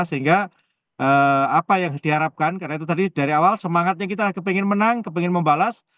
sehingga apa yang diharapkan karena itu tadi dari awal semangatnya kita lagi pengen menang kepingin membalas